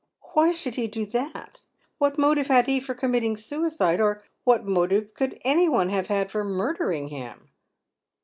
" Why should he do that ? What motive had he for com* mitting suicide ? Or what motive could any one have had for murdering him